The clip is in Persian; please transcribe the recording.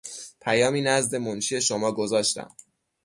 پیامی نزد منشی شما گذاشتم.